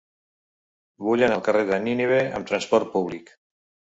Vull anar al carrer de Nínive amb trasport públic.